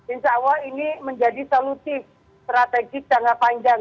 insya allah ini menjadi solusif strategis tangga panjang